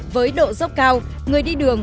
với độ dốc cao người đi đường